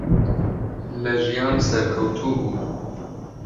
لە ژیان سەرکەوتوو بوو.